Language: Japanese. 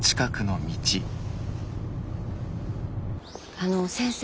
あの先生。